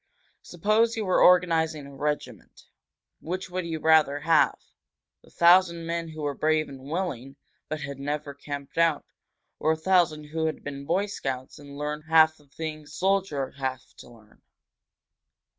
Suppose you were organizing a regiment. Which would you rather have a thousand men who were brave and willing, but had never camped out, or a thousand who had been Boy Scouts and knew about half the things soldiers have to learn?